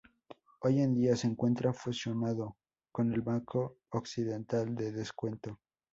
Hoy en día se encuentra fusionado con el Banco Occidental de Descuento.